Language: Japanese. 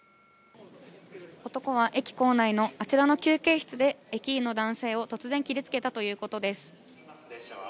男は駅構内のあちらの休憩室で、駅員の男性を突然、切りつけたということです。